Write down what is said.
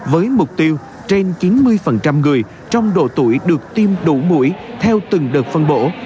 với mục tiêu trên chín mươi người trong độ tuổi được tiêm đủ mũi theo từng đợt phân bổ